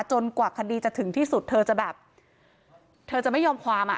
กว่าคดีจะถึงที่สุดเธอจะแบบเธอจะไม่ยอมความอ่ะ